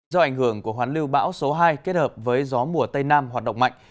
do ảnh hưởng của hoán lưu bão số hai kết hợp với gió mùa tây nam hoạt động mạnh